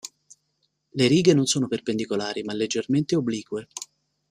Le righe non sono perpendicolari, ma leggermente oblique.